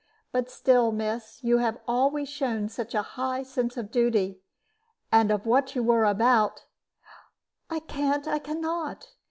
But still, miss, you have always shown such a high sense of duty, and of what you were about " "I can't I can not.